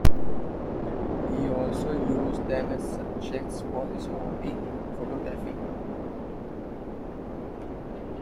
He also used them as subjects for his hobby, photography.